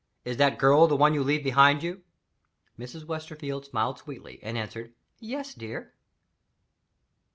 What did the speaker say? Is that girl the one you leave behind you?" Mrs. Westerfield smiled sweetly, and answered: "Yes, dear." 7. The Cipher.